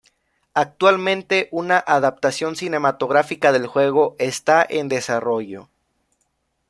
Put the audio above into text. Actualmente, una adaptación cinematográfica del juego está en desarrollo.